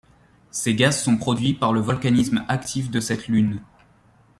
Ces gaz sont produits par le volcanisme actif de cette lune.